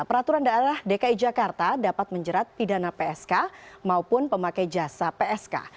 peraturan daerah dki jakarta dapat menjerat pidana psk maupun pemakai jasa psk